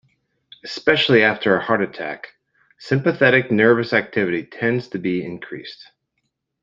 Especially after a heart attack, sympathetic nervous activity tends to be increased.